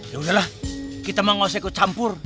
hei hei yaudahlah kita mah gak usah ikut campur